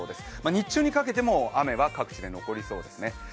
日中にかけても雨は各地で残りそうですね。